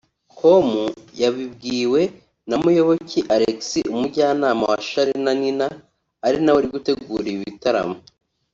com yabibwiwe na Muyoboke Alex umujyanama wa Charly na Nina ari nawe uri gutegura ibi bitaramo